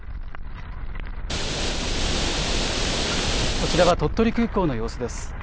こちらは鳥取空港の様子です。